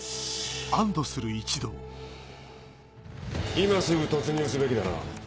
・今すぐ突入すべきだな。